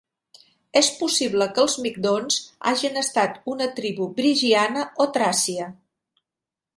És possible que els migdons hagin estat una tribu brigiana o tràcia.